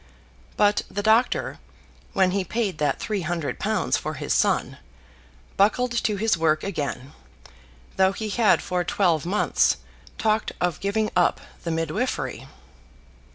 But the doctor, when he paid that three hundred pounds for his son, buckled to his work again, though he had for twelve months talked of giving up the midwifery.